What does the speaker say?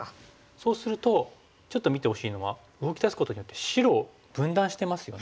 そうするとちょっと見てほしいのは動き出すことによって白を分断してますよね。